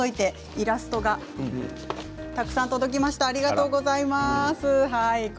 イラストがたくさん届きました